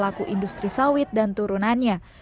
tapi karena pelaku industri sawit dan turunannya